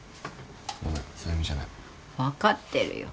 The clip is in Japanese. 分かってるよ